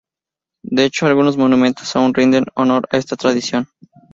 De hecho, algunos monumentos aún rinden honor a esta tradición.